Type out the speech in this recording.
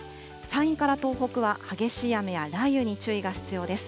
山陰から東北は激しい雨や雷雨に注意が必要です。